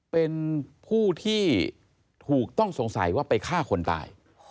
เป็นผู้ที่ถูกต้องสงสัยว่าไปฆ่าคนตาย